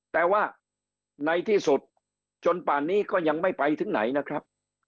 แต่ว่าในที่สุดจนป่านนี้ก็ยังไม่ไปถึงไหนนะครับ